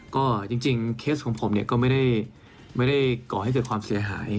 ก็จริงเคสของผมเนี่ยก็ไม่ได้ก่อให้เกิดความเสียหาย